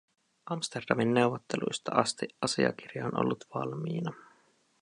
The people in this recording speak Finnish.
Amsterdamin neuvotteluista asti asiakirja on ollut valmiina.